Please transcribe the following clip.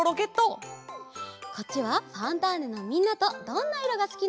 こっちは「ファンターネ！」のみんなと「どんな色がすき」のえ。